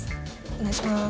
お願いします。